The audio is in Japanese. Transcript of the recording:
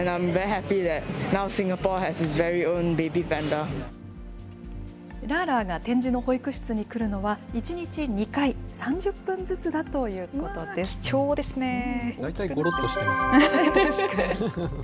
ラァラァが展示の保育室に来るのは、１日２回、３０分ずつだ貴重ですね。